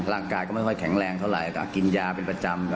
ร่างกายก็ไม่ค่อยแข็งแรงเท่าไหร่ก็กินยาเป็นประจำ